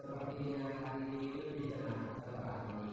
sepertinya hari ini bisa serta merta